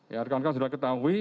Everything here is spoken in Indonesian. ya rekan rekan sudah ketahui